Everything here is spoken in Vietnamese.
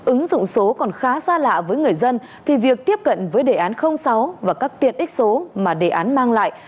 ứng dụng số còn khá xa lạ với người dân thì việc tiếp cận với đề án sáu và các tiện ích số mà đề án mang lại